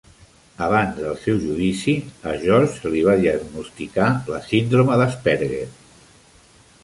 Abans del seu judici, a George se li va diagnosticar la síndrome d'Asperger.